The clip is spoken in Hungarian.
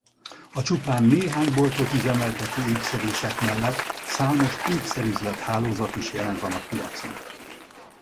A csupán néhány boltot üzemeltető ékszerészek mellett számos ékszerüzlet-hálózat is jelen van a piacon.